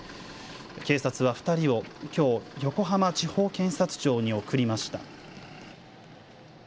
警察は２人をきょう、横浜地方検察庁に送りました。